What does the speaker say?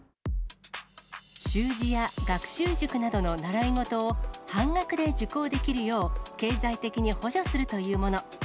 習字や学習塾などの習い事を、半額で受講できるよう、経済的に補助するというもの。